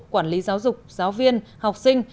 quản lý giáo dục giáo viên học sinh